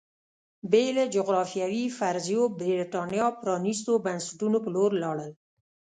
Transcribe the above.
بې له جغرافیوي فرضیو برېټانیا پرانېستو بنسټونو په لور لاړل